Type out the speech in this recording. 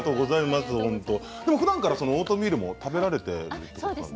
ふだんからオートミールも食べられているんですよね。